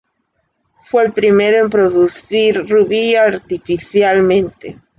Fue el primero en producir rubí artificialmente.